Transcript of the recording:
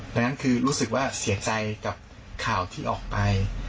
ดังนั้นคือรู้สึกว่าเสียใจกับข่าวที่ออกไป